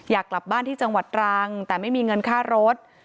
อยากกลับบ้านที่จังหวัดตรังแต่ไม่มีเงินค่ารถ